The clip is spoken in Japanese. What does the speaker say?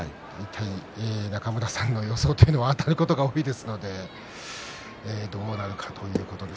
中村さんの予想というのは大体当たることが多いですのでどうなるかということで。